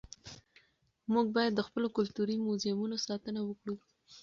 موږ باید د خپلو کلتوري موزیمونو ساتنه وکړو.